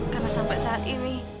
karena sampai saat ini